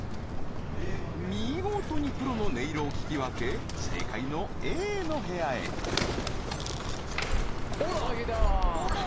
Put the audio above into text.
見事にプロの音色を聞き分け正解のＡの部屋へほらほら！